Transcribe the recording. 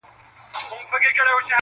دپښتون په تور وهلی هر دوران دی,